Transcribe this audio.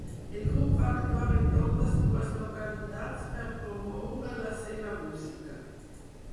El grup va actuar en totes dues localitats per promoure la seva música.